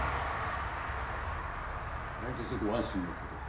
はい何とぞご安心のほどを。